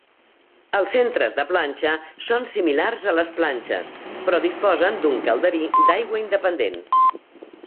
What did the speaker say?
Els centres de planxa són similars a les planxes, però disposen d'un calderí d'aigua independent.